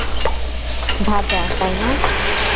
ভাজা, তাই না?